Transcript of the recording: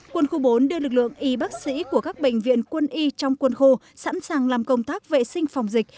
quân khu bốn đưa lực lượng y bác sĩ của các bệnh viện quân y trong quân khu sẵn sàng làm công tác vệ sinh phòng dịch